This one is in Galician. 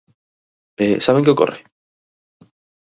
E ¿saben que ocorre?